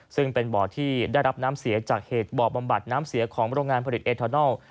ซึ่งเป็นบ่อที่ได้รับน้ำเสียจากเหตุบ่อบำบัดน้ำเสียของโรงงานผลิตเอทานอล